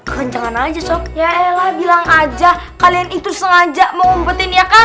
kenceng aja sob ya elah bilang aja kalian itu sengaja mau ngumpetin ya kan